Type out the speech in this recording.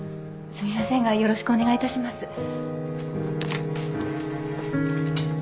すみませんがよろしくお願いいたします。